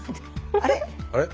あれ？